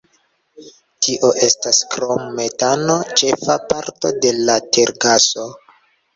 Tio estas krom metano ĉefa parto de la tergaso.